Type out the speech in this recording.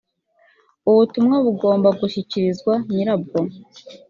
ubutumwa bugomba gushyikirizwa nyirabwo.